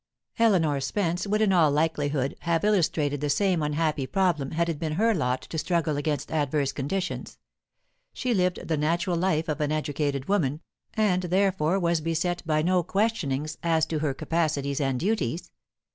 Eleanor Spence would in all likelihood have illustrated the same unhappy problem had it been her lot to struggle against adverse conditions; she lived the natural life of an educated woman, and therefore was beset by no questionings as to her capacities and duties.